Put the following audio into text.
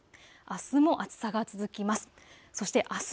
あすも暑さが続きます。